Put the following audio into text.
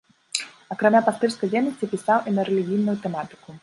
Акрамя пастырскай дзейнасці, пісаў і на рэлігійную тэматыку.